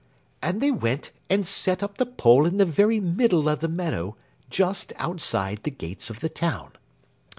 And they went and set up the pole in the very middle of the meadow just outside the gates of the town.